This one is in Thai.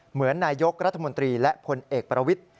เหมือนนายกรัฐมนตรีและพลเอกประวิทธิ